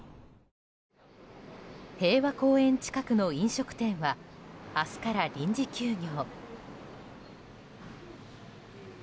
平和公園近くの飲食店は明日から臨時休業。